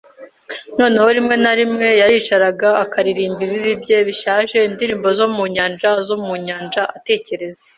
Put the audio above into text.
noneho rimwe na rimwe yaricaraga akaririmba ibibi bye, bishaje, indirimbo zo mu nyanja zo mu nyanja, atekereza